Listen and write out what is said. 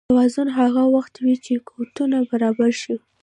توازن هغه وخت وي چې قوتونه برابر شي.